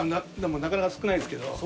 でもなかなか少ないですけど。